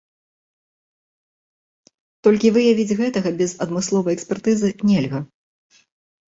Толькі выявіць гэтага без адмысловай экспертызы нельга.